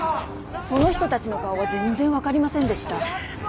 その人たちの顔は全然わかりませんでした。